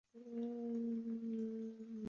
又称为同侪互评或同行评量。